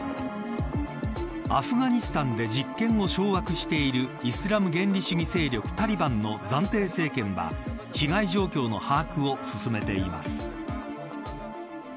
アフガニスタンで実権を掌握しているイスラム原理主義勢力タリバンの暫定政権は被害状況の把握を進めています。